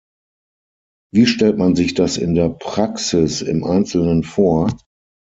Wie stellt man sich das in der Praxis im Einzelnen vor?